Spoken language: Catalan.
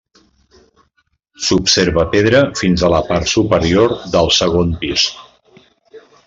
S'observa pedra fins a la part superior del segon pis.